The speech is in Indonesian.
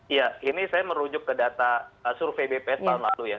iya ini saya merujuk ke data survei bp spalmatu ya